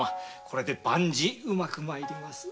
これで万事うまく参ります。